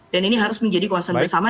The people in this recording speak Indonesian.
dan ini harus menjadi kuasa bersama